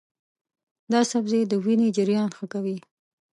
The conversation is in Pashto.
دا سبزی د وینې جریان ښه کوي.